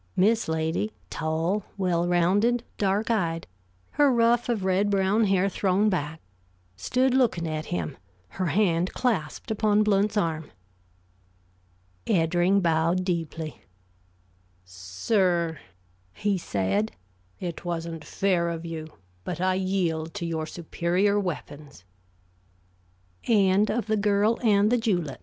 Miss Lady, tall, well rounded, dark eyed, her ruff of red brown hair thrown back, stood looking at him, her hand clasped upon Blount's arm. Eddring bowed deeply. "Sir," he said, "it wasn't fair of you; but I yield to your superior weapons!" THE FINAL CHOICE BY EDMUND VANCE COOKE